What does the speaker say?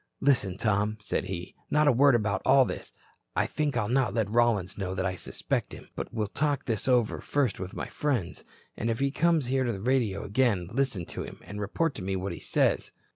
"Listen, Tom," said he. "Not a word about all this. I think I'll not let Rollins know that I suspect him, but will talk this over first with my friends. And if he comes here to radio again listen to him, and report to me what he says."